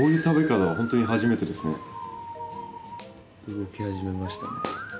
動き始めましたね。